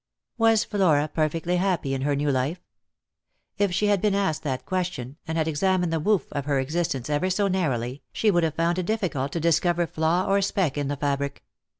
Was Flora perfectly happy in her new life ? If she had been asked that question, and had examined the woof of her existence ever so narrowly, she would have found it difficult to discover flaw or speck in the fabric.